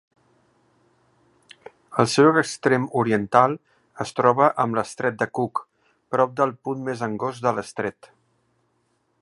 El seu extrem oriental es troba amb l'Estret de Cook prop del punt més angost de l'estret.